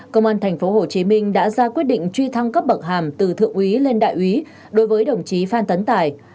công an tp hcm đã ra quyết định truy thăng cấp bậc hàm từ thượng úy lên đại úy đối với đồng chí phan tấn tài